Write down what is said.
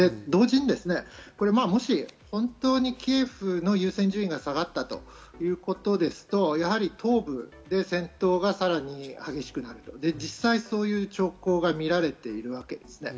同時に本当にキーウの優先順位が下がったということですと、やはり東部で戦闘がさらに激しくなって、実際にそういう兆候が見られているわけです。